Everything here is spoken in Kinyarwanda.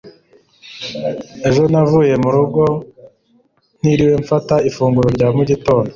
ejo navuye murugo ntiriwe mfata ifunguro rya mu gitondo